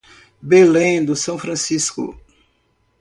Belém do São Francisco